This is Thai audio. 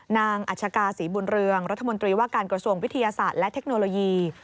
อัชกาศรีบุญเรืองรัฐมนตรีว่าการกระทรวงวิทยาศาสตร์และเทคโนโลยี